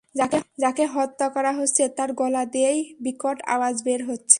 যাঁকে হত্যা করা হচ্ছে তাঁর গলা দিয়েই বিকট আওয়াজ বের হচ্ছে।